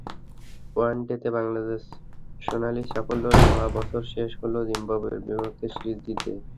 ওয়ানডেতে বাংলাদেশের সোনালি সাফল্যে মোড়া বছর শেষ হলো জিম্বাবুয়ের বিপক্ষে সিরিজ জিতে।